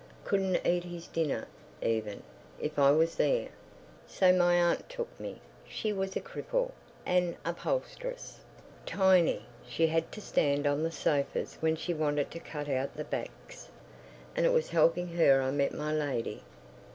Couldn't eat his dinner, even, if I was there. So my aunt took me. She was a cripple, an upholstress. Tiny! She had to stand on the sofas when she wanted to cut out the backs. And it was helping her I met my lady....